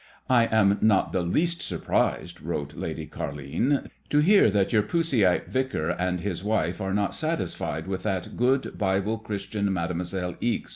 '^ I am not the least surprised," wrote Lady Carline, "to hear that your Puseyite vicar and his wife are not satisfied with that good Bible Christian, Mademoi selle Ixe.